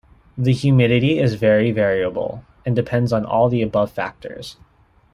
The humidity is very variable, and depends on all the above factors.